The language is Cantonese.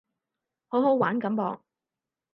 好好玩噉噃